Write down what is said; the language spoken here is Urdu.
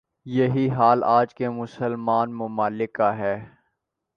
یہی حال آج کے مسلمان ممالک کا ہے ۔